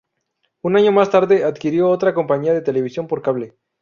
Un año más tarde, adquirió otra compañía de televisión por cable.